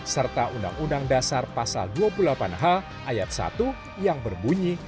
serta undang undang dasar pasal dua puluh delapan h ayat satu yang berbunyi